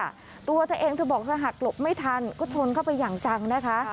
ตัวเธอเองเธอบอกเธอหักหลบไม่ทันก็ชนเข้าไปอย่างจังนะคะ